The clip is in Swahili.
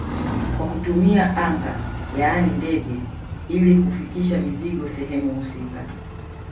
Kwa kutumia anga yani ndege ili kufikisha mizigo sehemu husika